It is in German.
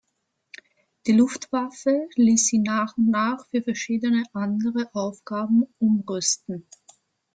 Die Luftwaffe ließ sie nach und nach für verschiedene andere Aufgaben umrüsten.